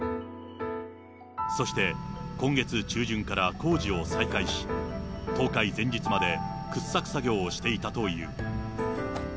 そして今月中旬から工事を再開し、倒壊前日まで掘削作業をしていたという。